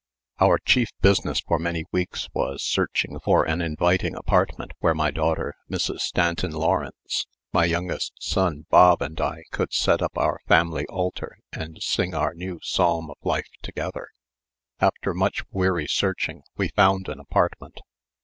Our chief business for many weeks was searching for an inviting apartment where my daughter, Mrs. Stanton Lawrence, my youngest son, Bob, and I could set up our family altar and sing our new psalm of life together. After much weary searching we found an apartment.